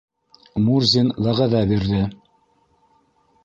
Мурзин вәғәҙә бирҙе.